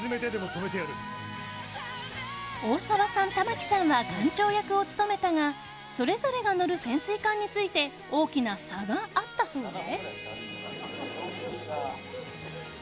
大沢さん、玉木さんは艦長役を務めたがそれぞれが乗る潜水艦について大きな差があったそうで。